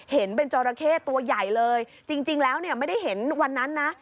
เห็นเป็นจราเข้ตัวใหญ่เลยจริงแล้วเนี่ยไม่ได้เห็นวันนั้นนะ